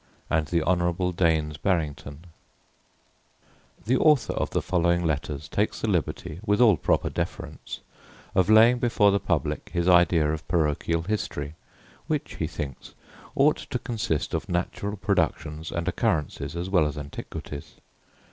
and The Hon. DAINES BARRINGTON ADVERTISEMENT The Author of the following Letters takes the liberty, with all proper deference, of laying before the public his idea of parochial history, which, he thinks, ought to consist of natural productions and occurrences as well as antiquities.